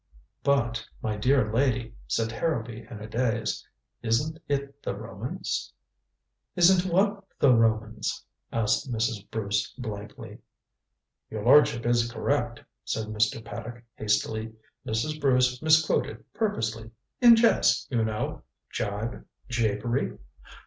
"But, my dear lady," said Harrowby in a daze, "isn't it the Romans?" "Isn't what the Romans?" asked Mrs. Bruce blankly. "Your lordship is correct," said Mr. Paddock hastily. "Mrs. Bruce misquoted purposely in jest, you know. Jibe japery."